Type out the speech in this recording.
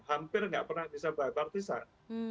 hampir nggak pernah bisa bahas partisan